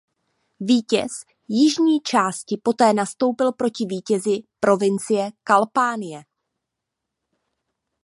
Vítěz jižní části poté nastoupil proti vítězi provincie Kampánie.